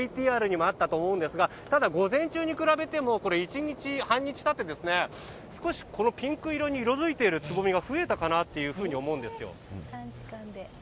ＶＴＲにもあったと思うんですがただ、午前中に比べても半日経って少しピンク色に色づいているつぼみが増えたかなと思うんですよ。